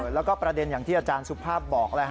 แล้วก็ประเด็นอย่างที่อาจารย์สุภาพบอก